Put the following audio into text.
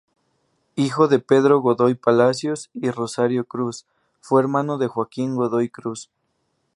Hijo de Pedro Godoy Palacios y Rosario Cruz, fue hermano de Joaquín Godoy Cruz.